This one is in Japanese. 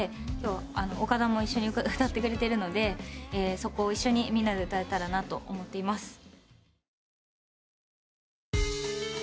今日岡田も一緒に歌ってくれてるのでそこを一緒にみんなで歌えたらなと思っています。